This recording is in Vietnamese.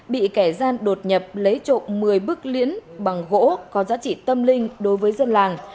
bị kẻ gian đột nhập lấy trộm một mươi bức liễn bằng gỗ có giá trị tâm linh đối với dân làng